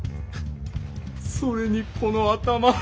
それにこの頭！